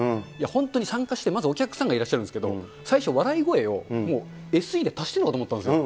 本当に参加して、まずお客さんがいらっしゃるんですけれども、最初笑い声を、もうＳＥで足してるのかと思ったんですよ。